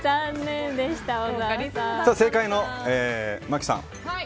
正解の麻貴さん。